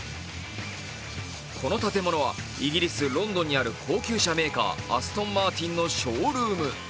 この建物は、イギリス・ロンドンにある高級車メーカーＡＳＴＯＮＭＡＲＴＩＮのショールーム。